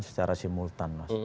secara simultan mas